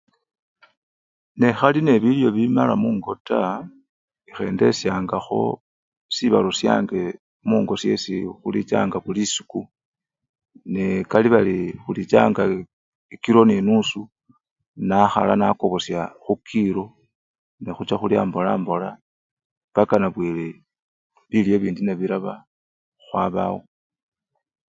Nokhali nebilyo bimala mungo taa, ekhendesyangakho sibalo syange mungo syesikhulichanga buli esiku, nekali bali khulichanga ekilo nenusu, nakhala nakobosya khukilo nekhucha khulyo mbola mbola paka nalundi bilyo bindi nebilaba khwabawo.